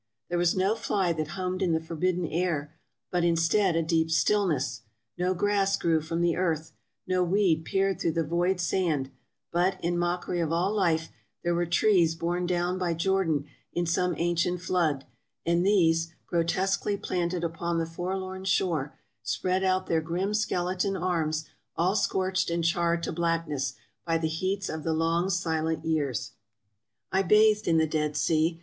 There was no fly that hummed in the forbidden air, but, instead, a deep stillness — no grass grew from the earth — no weed peered through the void sand; but, in mockery of all life, there were trees borne down by Jordan in some ancient flood, and these, grotesquely planted upon the forlorn shore, spread out their grim skeleton arms all scorched and charred to blackness, by the heats of the long, silent years. I bathed in the Dead Sea.